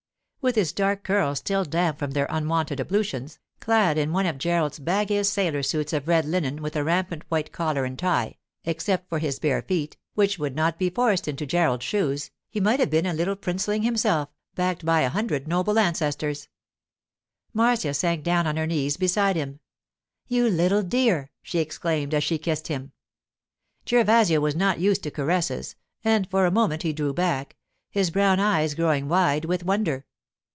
With his dark curls still damp from their unwonted ablutions, clad in one of Gerald's baggiest sailor suits of red linen with a rampant white collar and tie, except for his bare feet (which would not be forced into Gerald's shoes) he might have been a little princeling himself, backed by a hundred noble ancestors. Marcia sank down on her knees beside him. 'You little dear!' she exclaimed as she kissed him. Gervasio was not used to caresses, and for a moment he drew back, his brown eyes growing wide with wonder.